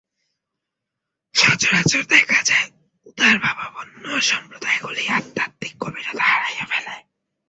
সচরাচর দেখা যায়, উদারভাবাপন্ন সম্প্রদায়গুলি আধ্যাত্মিক গভীরতা হারাইয়া ফেলে।